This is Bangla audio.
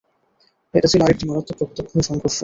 এটা ছিল আরেকটি মারাত্মক রক্তক্ষয়ী সংঘর্ষ।